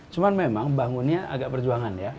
cuma memang bangunnya agak perjuangan ya